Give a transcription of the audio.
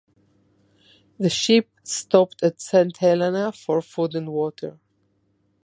The ship stopped at Saint Helena for food and water.